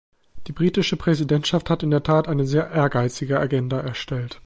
Die britische Präsidentschaft hat in der Tat eine sehr ehrgeizige Agenda erstellt.